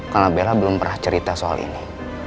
kalau bella belum pernah cerita soal ini